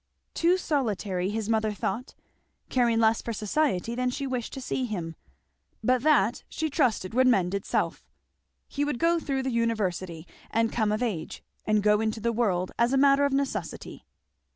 Too solitary, his mother thought, caring less for society than she wished to see him; but that she trusted would mend itself. He would be through the University and come of age and go into the world as a matter of necessity.